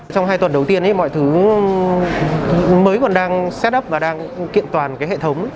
trong hai tuần đầu tiên mọi thứ mới còn đang set up và đang kiện toàn cái hệ thống